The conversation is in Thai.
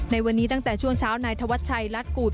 ในวันนี้ตั้งแต่ช่วงเช้านายธวัชชัยรัฐกูธ